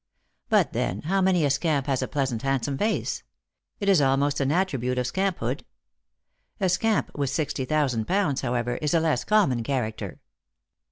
But, then, how many a scamp has a pleasant handsome face ! It is almost an attribute of scamphood. A scamp with sixty thousand pounds, however, is a less common character.